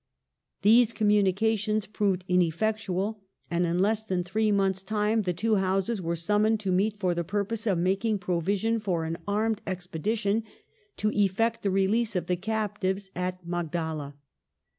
These communications proved in effectual, and in less than three months' time the two Houses were summoned to meet for the purpose of making provision for an armed expedition to effect the release of the captives at Magdala.